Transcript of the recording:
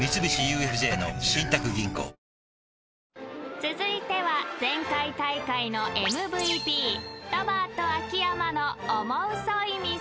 ［続いては前回大会のＭＶＰロバート秋山のオモウソい店］